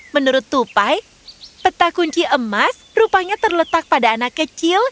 menurut tupai peta kunci emas rupanya terletak pada anak kecil